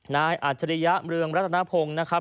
นายอาจริยะเมืองรัฐนพงธ์นะครับ